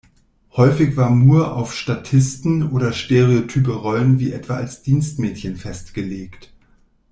Häufig war Moore auf Statisten- oder stereotype Rollen wie etwa als Dienstmädchen festgelegt.